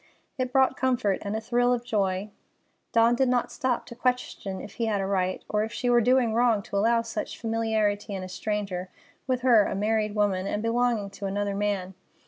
It brought comfort and a thrill of joy. Dawn did not stop to question if he had a right, or if she were doing wrong to allow such familiarity in a stranger, with her, a married woman, and belonging to another man.